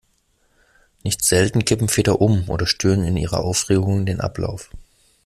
Nicht selten kippen Väter um oder stören in ihrer Aufregung den Ablauf.